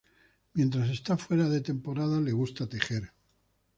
Mientras está fuera de temporada, le gusta tejer.